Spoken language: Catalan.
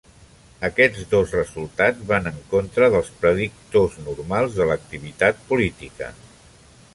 Aquests dos resultats van en contra dels predictors normals de l'activitat política.